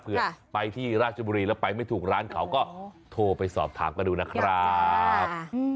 เพื่อไปที่ราชบุรีแล้วไปไม่ถูกร้านเขาก็โทรไปสอบถามกันดูนะครับ